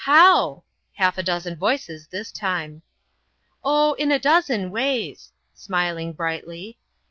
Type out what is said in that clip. How ?" Half a dozen voices this time. " Oh, in a dozen ways," smiling brightly.